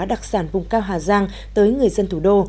đặc sản vùng cao hà giang tới người dân thủ đô